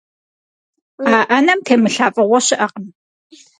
А ӏэнэм темылъа фӀыгъуэ щыӀэкъым.